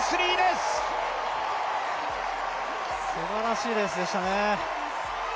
すばらしいレースでしたね。